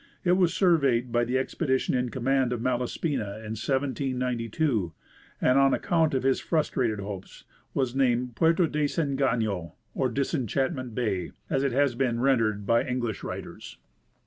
It was surveyed by the expedition in command of Malaspina in 1792, and on account of his frustrated hopes was named " Puerto del Desengano," or " Disenchantment bay," as it has been rendered by English writers.